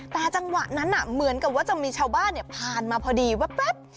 แต่จังหวะนั้นเหมือนกับว่าจะมีชาวบ้านผ่านมาพอดีแว๊บ